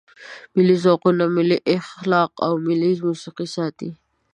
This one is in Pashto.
ملي ذوقونه، ملي اخلاق او ملي موسیقي ساتي.